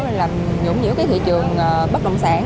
làm nhũng nhiễu cái thị trường bất động sản